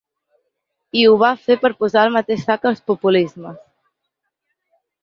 I ho va fer per posar al mateix sac ‘els populismes’.